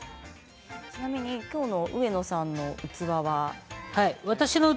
ちなみに今日の上野さんの器は。